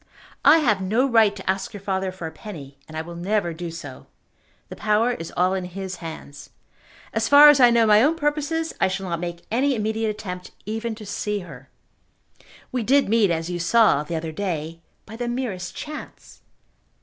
I have no right to ask your father for a penny, and I will never do so. The power is all in his hands. As far as I know my own purposes, I shall not make any immediate attempt even to see her. We did meet, as you saw, the other day, by the merest chance.